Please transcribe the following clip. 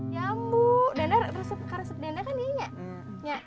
jambu danda resep resep danda kan iya iya